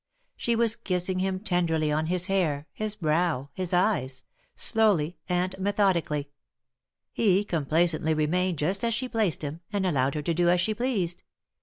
She was kissing him ten derly on his hair, his brow, his eyes — slowly and method ically. He complacently remained just as she placed him, and allowed her to do as she pleased.